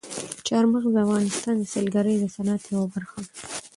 چار مغز د افغانستان د سیلګرۍ د صنعت یوه برخه ده.